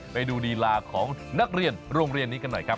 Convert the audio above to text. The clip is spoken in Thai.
ไปดูลีลาของนักเรียนโรงเรียนนี้กันหน่อยครับ